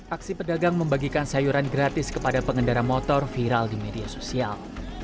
aksi pedagang membagikan sayuran gratis kepada pengendara motor viral di media sosial